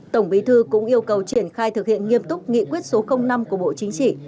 tổng bí thư cũng yêu cầu triển khai thực hiện nghiêm túc nghị quyết số năm của bộ chính trị